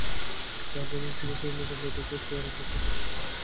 তাহার পাশে চিরসখীরূপে কমলাকে দেখিয়া সে আরামবোধ করিল।